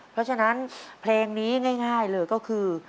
เพราะฉะนั้นเพลงนี้ง่ายเลยก็คือ